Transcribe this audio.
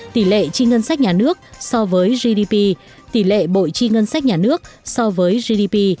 tỷ lệ chi ngân sách nhà nước so với gdp tỷ lệ bội chi ngân sách nhà nước so với gdp